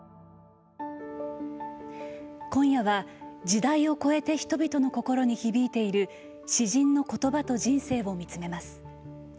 今夜は時代を超えて人々の心に響いている詩人の言葉と人生を見つめます。